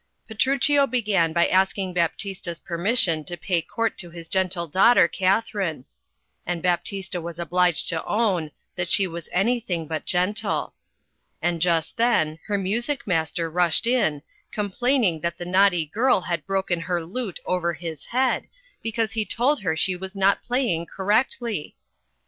Petruchio began by asking Baptista's permission to pay court to his gentle daughter Katharine — and Baptista was obliged to own that she was anything but gentle. And just then her music master rushed in, complaining that the naughty girl had broken her lute over his head, because he told her she was not playing correctly.